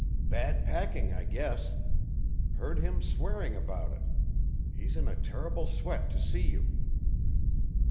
"Bad packing, I guess. Heard him swearing about it. He's in a terrible sweat to see you."